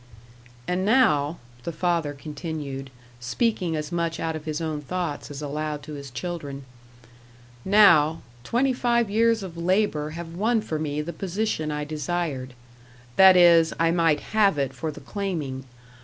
"And now," the father continued, speaking as much out of his own thoughts as aloud to his children "now, twenty five years of labour have won for me the position I desired. That is, I might have it for the claiming.